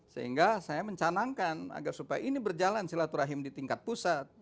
sehingga saya mencanangkan agar supaya ini berjalan silaturahim di tingkat pusat